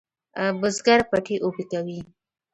بزگر پټی اوبه کوي.